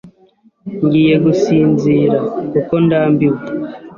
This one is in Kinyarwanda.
Ngiye gusinzira, kuko ndambiwe.